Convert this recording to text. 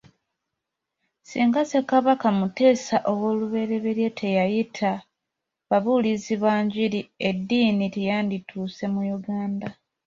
Singa Ssekabaka Muteesa ow'oluberyeberye teyayita babuulizi ba njiri, eddiini teyandituuse mu Uganda.